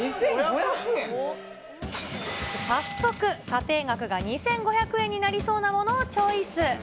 早速、査定額が２５００円になりそうなものをチョイス。